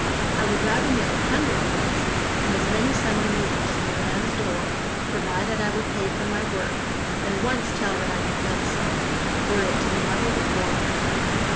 I would rather nail a hundred horns, and as many sanbenitos, on a man's door, provided I were paid for my work, than once tell that I had done so, were it to the mother that bore me."